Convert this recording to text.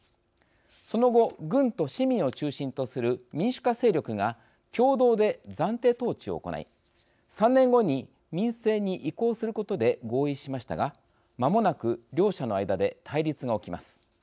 その後、軍と、市民を中心とする民主化勢力が共同で暫定統治を行い３年後に民政に移行することで合意しましたがまもなく両者の間で対立が起きます。